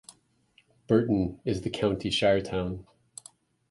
Burton is the county shiretown.